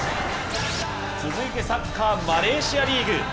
続いてサッカーマレーシアリーグ。